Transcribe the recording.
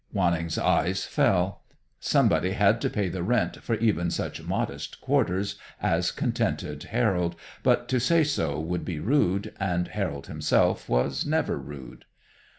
Wanning's eyes fell. Somebody had to pay the rent of even such modest quarters as contented Harold, but to say so would be rude, and Harold himself was never rude.